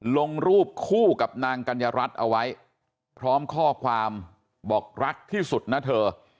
ลงรูปคู่กับนางกัญญารัฐเอาไว้พร้อมข้อความบอกรักที่สุดนะเธอ